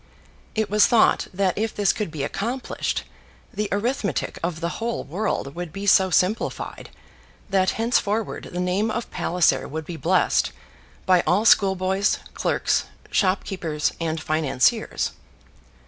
It was thought that if this could be accomplished, the arithmetic of the whole world would be so simplified that henceforward the name of Palliser would be blessed by all schoolboys, clerks, shopkeepers, and financiers.